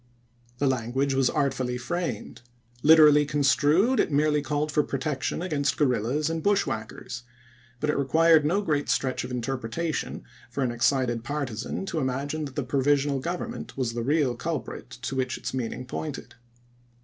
The language was artfully framed ; literally con strued, it merely called for protection against guer rillas and bushwhackers ; but it required no great stretch of interpretation for an excited partisan to imagine that the provisional government was the real culprit to which its meaning pointed.